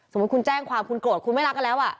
คุณแจ้งความคุณโกรธคุณไม่รักกันแล้ว